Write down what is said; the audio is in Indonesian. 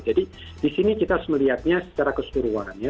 jadi di sini kita harus melihatnya secara keseluruhan ya